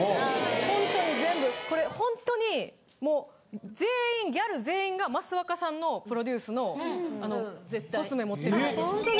ほんとに全部これほんとにもう全員ギャル全員が益若さんのプロデュースのコスメ持ってるんです。